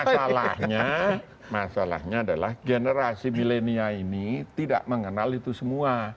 masalahnya masalahnya adalah generasi milenial ini tidak mengenal itu semua